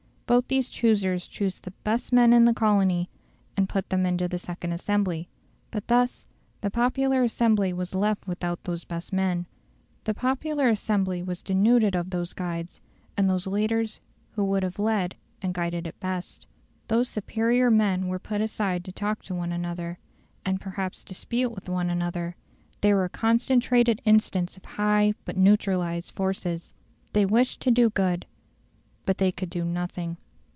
Both these choosers choose the best men in the colony, and put them into the second assembly. But thus the popular assembly was left without those best men. The popular assembly was denuded of those guides and those leaders who would have led and guided it best. Those superior men were put aside to talk to one another, and perhaps dispute with one another; they were a concentrated instance of high but neutralised forces. They wished to do good, but they could do nothing.